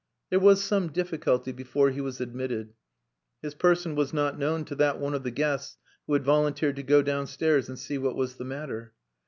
There was some difficulty before he was admitted. His person was not known to that one of the guests who had volunteered to go downstairs and see what was the matter.